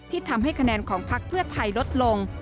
ทำให้คะแนนของพักเพื่อไทยลดลง